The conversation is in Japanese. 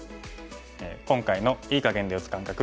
今回の“いい”かげんで打つ感覚